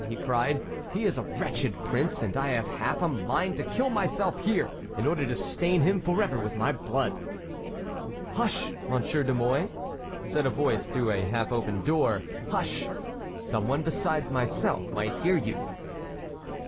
he cried, "he is a wretched prince, and I have half a mind to kill myself here in order to stain him forever with my blood." "Hush, Monsieur de Mouy!" said a voice through a half open door; "hush! some one besides myself might hear you."